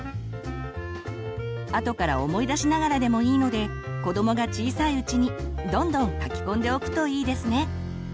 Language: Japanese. あとから思い出しながらでもいいので子どもが小さいうちにどんどん書き込んでおくといいですね。